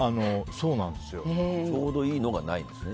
ちょうどいいのがないんですね。